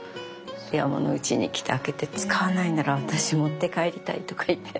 山のうちに来て開けて「使わないなら私持って帰りたい」とか言って。